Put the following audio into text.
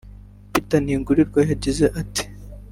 Peter Ntigurirwa yagize ati